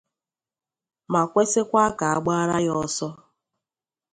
ma kwesikwa ka a gbaara ya ọsọ